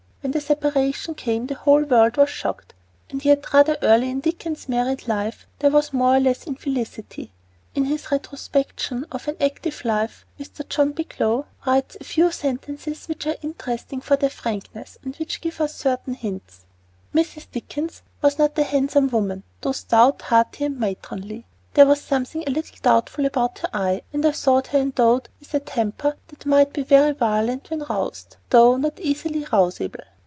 When the separation came the whole world was shocked. And yet rather early in Dickens's married life there was more or less infelicity. In his Retrospections of an Active Life, Mr. John Bigelow writes a few sentences which are interesting for their frankness, and which give us certain hints: Mrs. Dickens was not a handsome woman, though stout, hearty, and matronly; there was something a little doubtful about her eye, and I thought her endowed with a temper that might be very violent when roused, though not easily rousable.